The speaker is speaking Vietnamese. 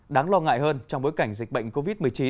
đáng lo ngại hơn trong bối cảnh dịch bệnh covid một mươi chín